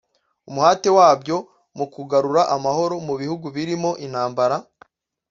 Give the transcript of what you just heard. umuhate wabyo mu kugarura amahoro mu bihugu birimo intambara